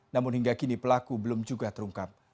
namun hingga kini pelaku belum juga terungkap